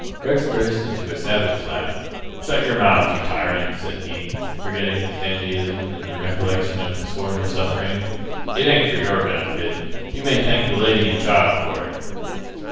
Rex burst into a savage laugh. "Shut your mouth, you tyrant," said he, forgetting his dandyism in the recollection of his former suffering. "It ain't for your benefit. You may thank the lady and the child for it."